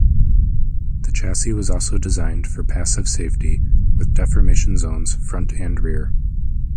The chassis was also designed for passive safety, with deformation zones front and rear.